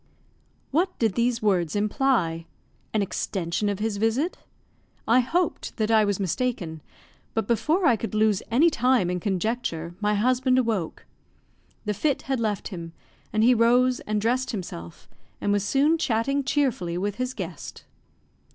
What did these words imply? an extension of his visit? I hoped that I was mistaken; but before I could lose any time in conjecture my husband awoke. The fit had left him, and he rose and dressed himself, and was soon chatting cheerfully with his guest.